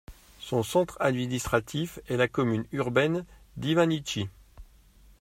Son centre administratif est la commune urbaine d'Ivanytchi.